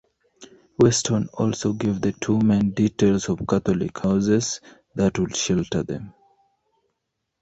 Weston also gave the two men details of Catholic houses that would shelter them.